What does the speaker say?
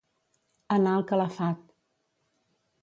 Anar al calafat.